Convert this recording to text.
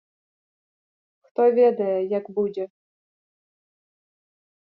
Хто ведае, як будзе?